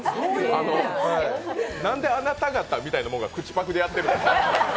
なんであなた方みたいなものが口パクでやってるの。